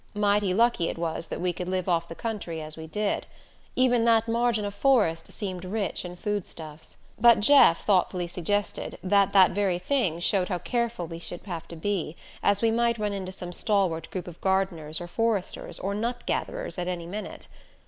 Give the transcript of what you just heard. Mighty lucky it was that we could live off the country as we did. Even that margin of forest seemed rich in foodstuffs. But Jeff thoughtfully suggested that that very thing showed how careful we should have to be, as we might run into some stalwart group of gardeners or foresters or nut gatherers at any minute.